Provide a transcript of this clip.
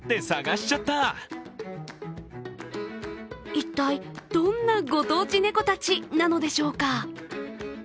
一体どんなご当地ネコたちなのでしょうか。